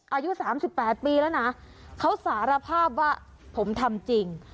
อายุสามสิบแปดปีแล้วนะเขาสารภาพว่าผมทำจริง